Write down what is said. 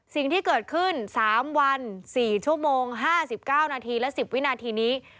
สิ่งที่เกิดขึ้น๓วัน๔ชั่วโมง๕๙นาทีและ๑๐วินาทีนี้